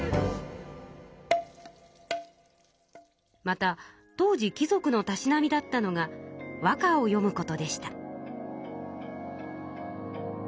また当時貴族のたしなみだったのが和歌をよむことでした。